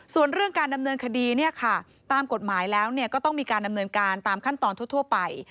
ส่วนเรื่องการดำเนินคดีตามกฎหมายแล้วก็ต้องมีการดำเนินการตามขั้นตอนทั่วไป